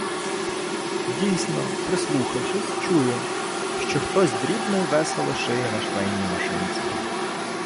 Дійсно, прислухавшись, чую, що хтось дрібно й весело шиє на швейній машинці.